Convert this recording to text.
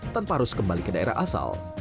tanpa harus kembali ke daerah asal